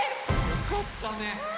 よかったね。